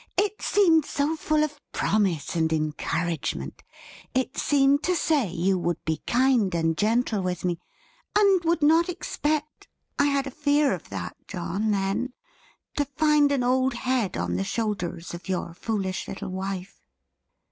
It seemed so full of promise and encouragement. It seemed to say, you would be kind and gentle with me, and would not expect (I had a fear of that, John, then) to find an old head on the shoulders of your foolish little wife."